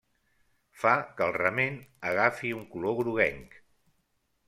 Fa que el ramen agafi un color groguenc.